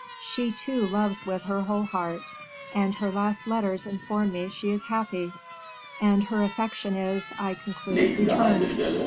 "She, too, loves with her whole heart; and her last letters inform me she is happy, and her affection is, I conclude, returned.